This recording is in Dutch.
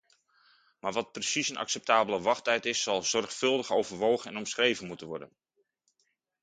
Maar wat precies een acceptabele wachttijd is, zal zorgvuldig overwogen en omschreven moeten worden.